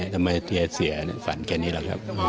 ทำไมเตียเสียฝันแค่นี้แหละครับ